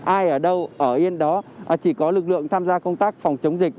ai ở đâu ở yên đó chỉ có lực lượng tham gia công tác phòng chống dịch